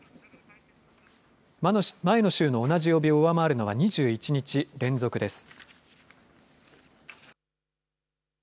前の週の同じ曜日を上回るのは２１日連続です。